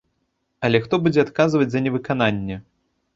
Але хто будзе адказваць за невыкананне?